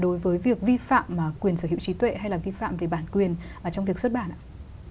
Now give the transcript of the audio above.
đối với việc vi phạm quyền sở hữu trí tuệ hay là vi phạm về bản quyền trong việc xuất bản ạ